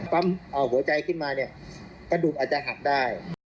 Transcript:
ปั๊บเอาหัวใจขึ้นมากระดูกอาจจะหักได้